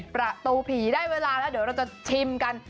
ประตูผีได้เวลาแล้วเดี๋ยวเราจะชิมกัน